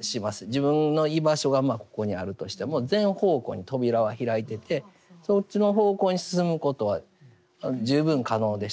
自分の居場所がここにあるとしても全方向に扉は開いててそっちの方向に進むことは十分可能でした。